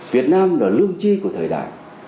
việt nam là lương tri của thời đại